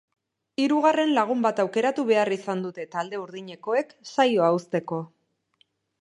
Hirugarren lagun bat aukeratu behar izan dute talde urdinekoek saioa uzteko.